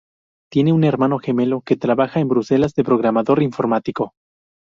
Tiene un hermano gemelo que trabaja en Bruselas de programador informático.